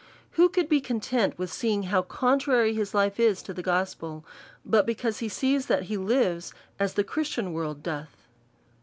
Who could be content with seeing how contrary his life is to the gospel, but because he sees that he lives as the Christian world doth?